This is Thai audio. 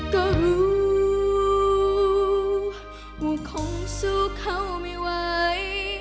ก็รู้ว่าคงสู้เขาไม่ไหว